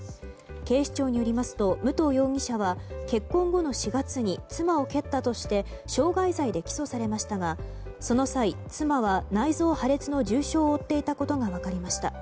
警視庁によりますと武藤容疑者は結婚後の４月に妻を蹴ったとして傷害罪で起訴されましたがその際、妻は内臓破裂の重傷を負っていたことが分かりました。